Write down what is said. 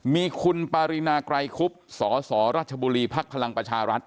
มีคุณปารินาไกรคุบสสรัชบุรีภักดิ์พลังประชารัฐ